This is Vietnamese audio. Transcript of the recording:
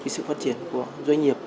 sự phát triển của doanh nghiệp